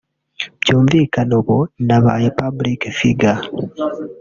byumvikane ubu nabaye ’public figure